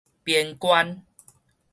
邊關